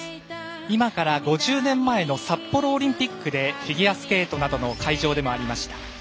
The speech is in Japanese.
今から５０年前の札幌オリンピックでフィギュアスケートなどの会場でもありました。